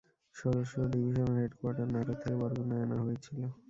ষোড়শ ডিভিশনের হেডকোয়ার্টার নাটোর থেকে বরগুনায় আনা হয়েছিল।